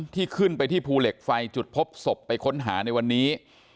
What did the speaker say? ที่ขึ้นไปที่ภูเหล็กไฟจุดพบศพไปค้นหาในวันนี้